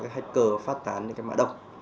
các hacker phát tán những cái mã độc